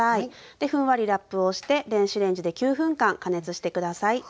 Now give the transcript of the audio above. でふんわりラップをして電子レンジで９分間加熱して下さい。